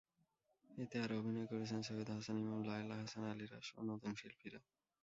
এতে আরও অভিনয় করছেন সৈয়দ হাসান ইমাম, লায়লা হাসান, আলীরাজসহ নতুন শিল্পীরা।